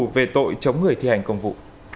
về tội chống người thi hành công vụ